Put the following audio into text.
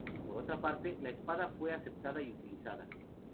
Por otra parte, la espada fue aceptada y utilizada.